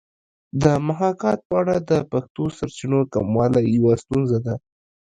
د محاکات په اړه د پښتو سرچینو کموالی یوه ستونزه ده